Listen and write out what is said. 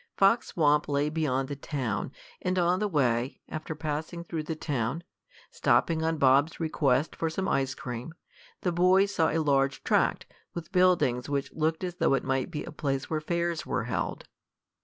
Fox Swamp lay beyond the town, and on the way, after passing through the town, stopping on Bob's request for some ice cream, the boys saw a large tract, with buildings which looked as though it might be a place where fairs were held.